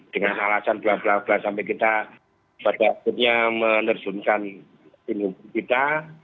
dengan alasan belah belah sampai kita pada akhirnya menersunkan penyumbang kita